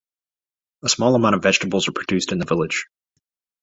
A small amount of vegetables are produced in the village.